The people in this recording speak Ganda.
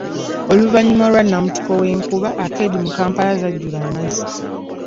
Oluvannyuma lwa namuttikwa w'enkuba, akeedi mu kampala zajjula amazzi.